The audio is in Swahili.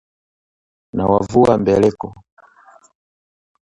Nawavua mbeleko